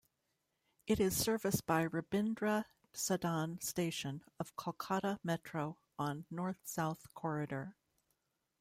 It is service by Rabindra Sadan station of Kolkata Metro on North South Corridor.